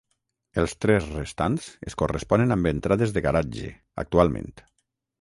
Els tres restants es corresponen amb entrades de garatge, actualment.